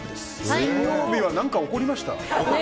水曜日は何か起こりました？